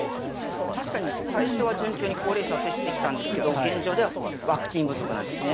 確かに最初は順調に高齢者は接種できたんですが現状ではワクチン不足なんですね。